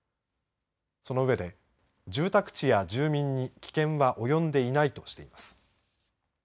その上で、住宅地や住民に危険は及んでいないとしています。